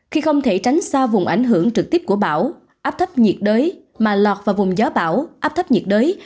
khi không thể tránh xa vùng ảnh hưởng trực tiếp của bão áp thấp nhiệt đới mà lọt vào vùng gió bão áp thấp nhiệt đới